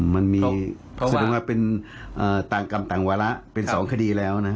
มันมีแสดงว่าเป็นต่างกรรมต่างวาระเป็น๒คดีแล้วนะ